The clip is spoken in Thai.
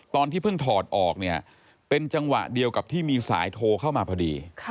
ตอนที่เพิ่งถอดออกเนี่ยเป็นจังหวะเดียวกับที่มีสายโทรเข้ามาพอดี